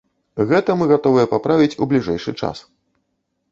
Гэта мы гатовыя паправіць у бліжэйшы час.